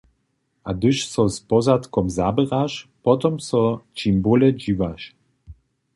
A hdyž so z pozadkom zaběraš, potom so čim bóle dźiwaš.